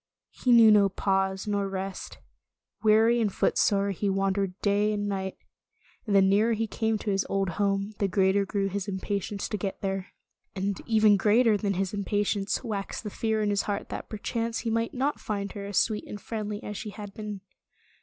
He knew no pause nor rest. Weary and foot sore, he wandered day and 132 Tales of Modern Germany night, and the nearer he came to his old home, the greater grew his impatience to get there. And even greater than his impatience waxed the fear in his heart that perchance he might not find her as sweet and friendly as she had been.